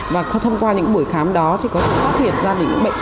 và thông qua những buổi khám đó thì có thể phát hiện ra được những bệnh